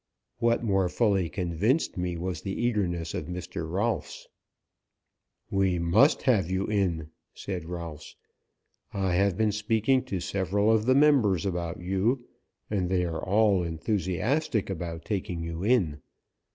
What more fully convinced me was the eagerness of Mr. Rolfs. "We must have you in," said Rolfs. "I have been speaking to several of the members about you, and they are all enthusiastic about taking you in.